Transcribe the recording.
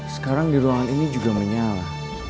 sekarang di ruangan ini juga menyala